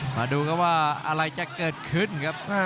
มาดูครับว่าอะไรจะเกิดขึ้นครับ